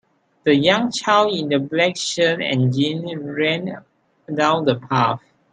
The young child in the black shirt and jeans ran down the path.